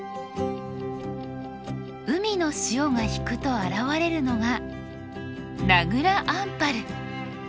海の潮が引くと現れるのが名蔵アンパル。